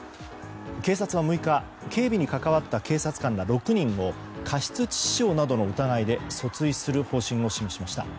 警察は６日警備に関わった警察官ら６人を過失致死傷などの疑いで訴追する方針を示しました。